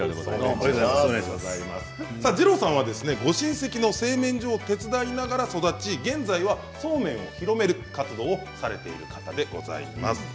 二郎さんはご親戚の製麺所を手伝いながら育ち、現在はそうめんを広める活動をされている方でございます。